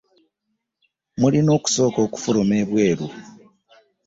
Mulina okusooka okufuluma ebweru.